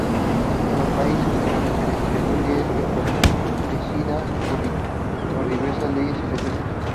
En los países en donde se distribuye está protegida por diversas leyes y decretos.